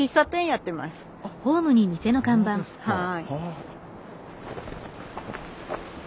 はい。